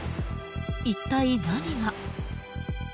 一体何が。